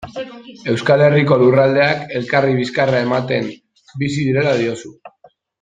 Euskal Herriko lurraldeak elkarri bizkarra ematen bizi direla diozu.